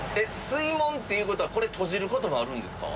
水門っていう事はこれ閉じる事もあるんですか？